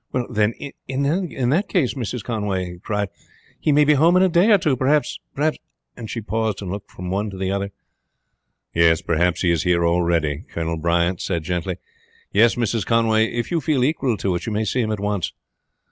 "Then, in that case," Mrs. Conway cried, "he may be home in a day or two. Perhaps perhaps and she paused and looked from one to the other. "Perhaps he is here already," Colonel Bryant said gently. "Yes, Mrs. Conway, if you feel equal to it you may see him at once."